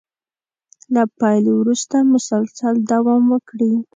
له پيل وروسته مسلسل دوام وکړي.